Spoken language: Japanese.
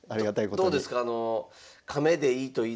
どうですか？